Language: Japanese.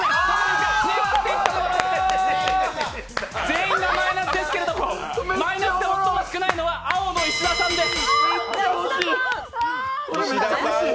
全員がマイナスですけれども、マイナスが最も少ないのは青の石田さんです。